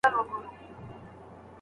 که ستاسو زړه غواړي، چي واک او ځواک ولرئ.